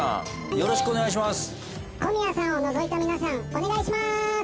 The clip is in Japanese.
よろしくお願いします。